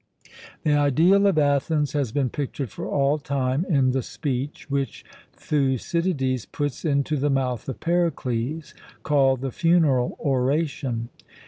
The ideal of Athens has been pictured for all time in the speech which Thucydides puts into the mouth of Pericles, called the Funeral Oration.